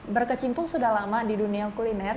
berkecimpung sudah lama di dunia kuliner